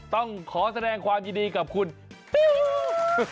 ต้องขอแสดงความยินดีกับคุณติ๊ว